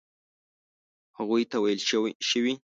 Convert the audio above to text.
هغوی ته ویل شوي.